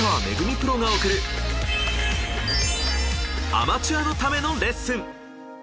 プロが贈るアマチュアのためのレッスン。